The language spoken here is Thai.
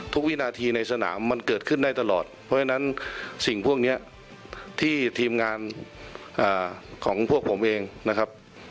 วินาทีในสนามมันเกิดขึ้นได้ตลอดเพราะฉะนั้นสิ่งพวกนี้ที่ทีมงานของพวกผมเองนะครับ